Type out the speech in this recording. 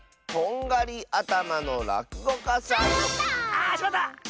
あしまった！